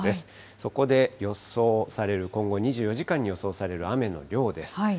そこで予想される今後、２４時間に予想される雨の量です。